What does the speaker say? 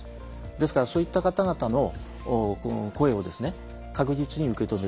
ですからそういった方々の声を確実に受け止めると。